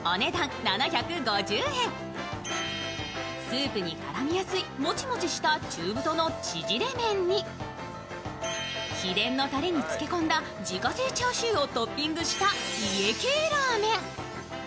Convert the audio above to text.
スープに絡みやすいもちもちした中太の縮れ麺に、秘伝のタレににつけ込んだ自家製チャーシューをトッピングした家系ラーメン。